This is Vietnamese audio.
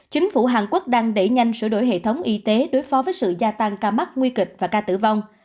chính phủ hàn quốc đang đẩy nhanh sửa đổi hệ thống y tế đối phó với sự gia tăng ca mắc nguy kịch và ca tử vong